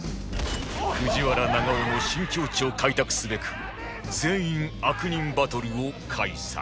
藤原長尾の新境地を開拓すべく全員悪人バトルを開催